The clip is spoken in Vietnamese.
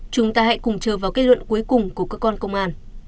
chúng ta hãy cùng chờ vào kết luận cuối cùng của cơ quan công an